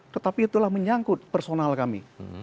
tetapi itulah menyangkut personal kami